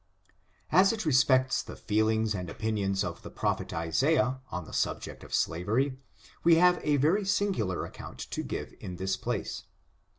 As it respects the feelings and opinions of the prophet Isaiah on the subject of slavery, we have a very singular account to give in this place.